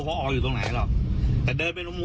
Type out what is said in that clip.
เมื่อพร้าว